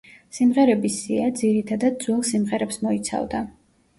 სიმღერების სია, ძირითადად, ძველ სიმღერებს მოიცავდა.